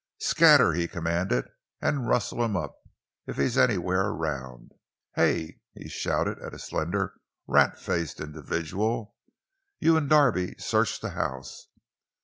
"Scatter!" he commanded; "an' rustle him up, if he's anywhere around! Hey!" he shouted at a slender, rat faced individual. "You an' Darbey search the house!